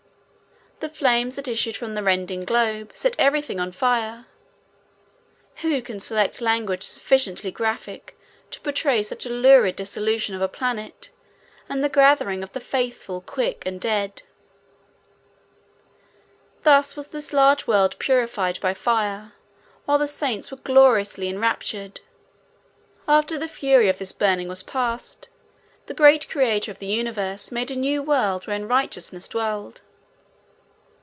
The flames that issued from the rending globe set everything on fire. Who can select language sufficiently graphic to portray such a lurid dissolution of a planet, and the gathering of the faithful, quick and dead? Thus was this large world purified by fire while the saints were gloriously enraptured. After the fury of this burning was passed, the great Creator of the universe made a new world whereon righteousness dwelled.